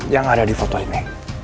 yang ada di foto ini